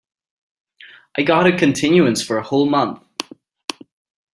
I got a continuance for a whole month.